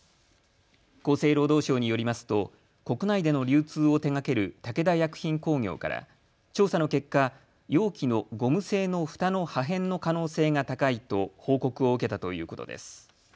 厚生労働省によりますと国内での流通を手がける武田薬品工業から調査の結果、容器のゴム製のふたの破片の可能性が高いと報告を受けたということです。